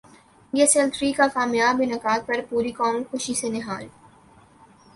پی S L three کے کامیاب انعقاد پر پوری قوم خوشی سے نہال